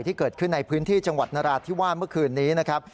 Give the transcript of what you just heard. ที่เกิดขึ้นในพื้นที่จังหวัดนราธิวาสเมื่อคืนนี้นะครับ